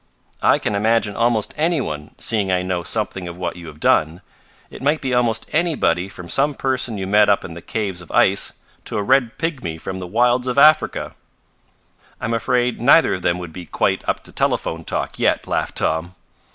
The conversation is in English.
"I can imagine almost any one, seeing I know something of what you have done. It might be almost anybody from some person you met up in the caves of ice to a red pygmy from the wilds of Africa." "I'm afraid neither of them would be quite up to telephone talk yet," laughed Tom.